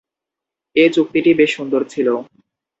এ চুক্তিটি বেশ সুন্দর ছিল।